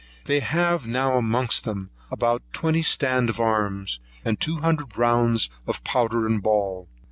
They have now amongst them about twenty stand of arms, and two hundred rounds of powder and ball.